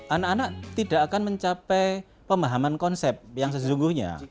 anak anak tidak akan mencapai pemahaman konsep yang sesungguhnya